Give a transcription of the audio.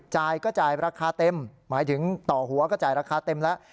จ่ายก็จ่ายราคาเต็มหมายถึงต่อหัวก็จ่ายราคาเต็มแล้ว